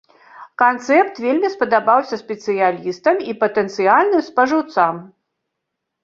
Канцэпт вельмі спадабаўся спецыялістам і патэнцыяльным спажыўцам.